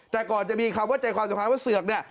แต่ก่อนจะมีคำว่าใจความสุดท้ายว่าเสือกเนี่ย